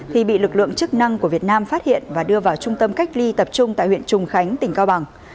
khi bị lực lượng chức năng của việt nam phát hiện và đưa vào trung tâm cách ly tập trung tại huyện trùng khánh tỉnh cao bằng